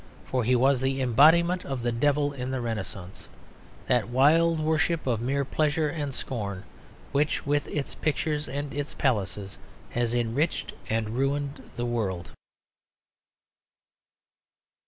For he was the embodiment of the Devil in the Renascence, that wild worship of mere pleasure and scorn, which with its pictures and its palaces has enriched and ruined the world.